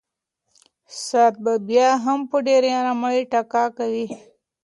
ساعت به بیا هم په ډېرې ارامۍ ټکا کوي.